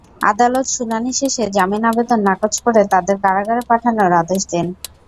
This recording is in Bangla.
আদালত শুনানি শেষে জামিন আবেদন নাকচ করে তাঁদের কারাগারে পাঠানোর আদেশ দেন।